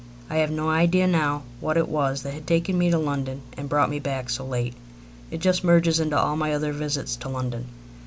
I have no idea now what it was that had taken me to London and brought me back so late. It just merges into all my other visits to London.